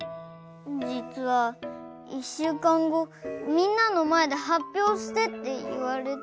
じつはいっしゅうかんごみんなのまえではっぴょうしてっていわれて。